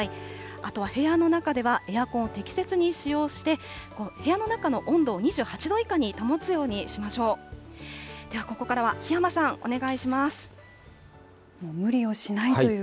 あとは部屋の中では、エアコン、適切に使用して、部屋の中の温度を２８度以下に保つようにしましょう。